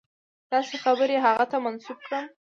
داسې خبرې هغه ته منسوبې کړم.